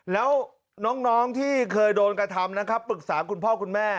แล้วน้องที่เคยโดนกระทำนะครับปรึกษาคุณพ่อคุณแม่